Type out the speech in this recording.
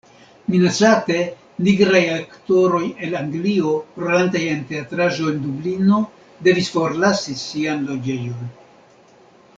Minacate, nigraj aktoroj el Anglio, rolantaj en teatraĵo en Dublino, devis forlasi sian loĝejon.